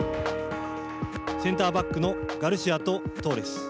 センターバックのガルシアとトーレス。